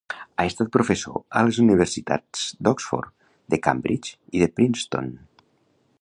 Ha estat professor a les universitats d'Oxford, de Cambridge i de Princeton.